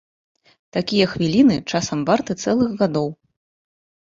Такія хвіліны часам варты цэлых гадоў.